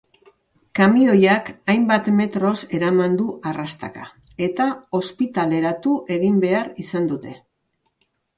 Kamioiak hainbat metroz eraman du arrastaka, eta ospitaleratu egin behar izan dute.